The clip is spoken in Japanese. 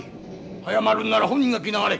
謝るんなら本人が来なはれ。